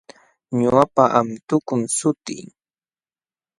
Ñuqapa antukum sutii.